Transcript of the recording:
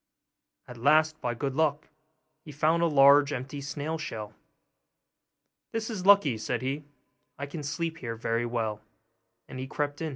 At last, by good luck, he found a large empty snail shell. 'This is lucky,' said he, 'I can sleep here very well'; and in he crept.